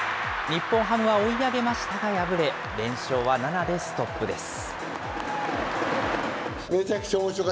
日本ハムは追い上げましたが敗れ、連勝は７でストップです。